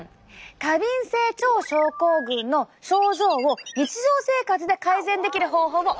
過敏性腸症候群の症状を日常生活で改善できる方法を教えて！